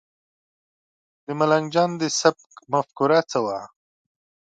د ملنګ جان د سبک مفکوره څه وه؟